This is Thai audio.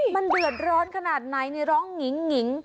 มันเดือดร้อนขนาดไหนนี่ร้องหงิง